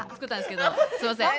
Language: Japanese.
すいません。